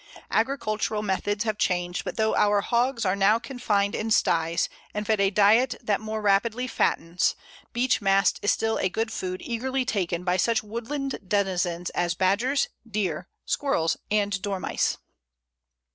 Agricultural methods have changed; but though our hogs are now confined in styes, and fed on a diet that more rapidly fattens, Beech mast is still a good food eagerly taken by such woodland denizens as badgers, deer, squirrels, and dormice.